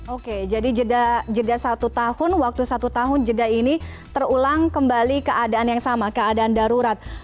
oke jadi jeda satu tahun waktu satu tahun jeda ini terulang kembali keadaan yang sama keadaan darurat